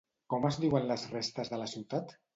Com es diuen les restes de la ciutat?